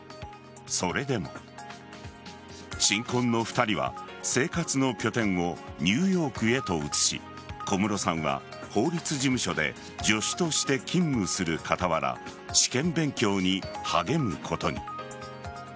それでも新婚の２人は生活の拠点をニューヨークへと移し小室さんは法律事務所で助手として勤務する傍ら試験勉強に励むことに。